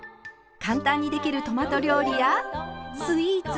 簡単にできるトマト料理やスイーツ。